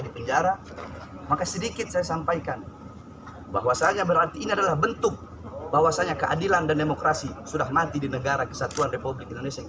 sudah mati di negara kesatuan republik indonesia yang kita cintai